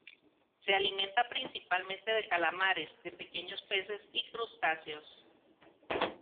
Se alimenta principalmente de calamares, de pequeños peces y crustáceos.